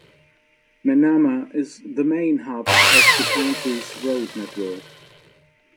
Manama is the main hub of the country's road network.